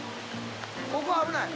ここ危ない」